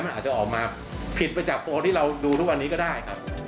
มันอาจจะออกมาผิดไปจากตัวที่เราดูทุกวันนี้ก็ได้ครับ